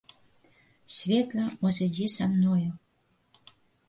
Светла ўзыдзі са мною.